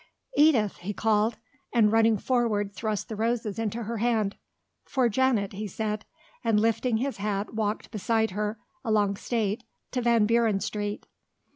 "Edith!" he called, and running forward thrust the roses into her hand. "For Janet," he said, and lifting his hat walked beside her along State to Van Buren Street.